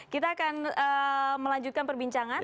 kita akan melanjutkan perbincangan